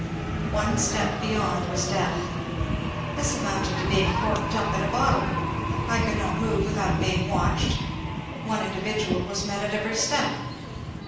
One step beyond was death. This amounted to being corked up in a bottle. I could not move without being watched ; one indi vidual was met at every step.